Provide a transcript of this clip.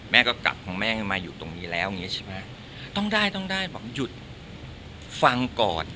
แม่ก็กลับของแม่มาอยู่ตรงนี้แล้วอย่างเงี้ใช่ไหมต้องได้ต้องได้บอกหยุดฟังก่อน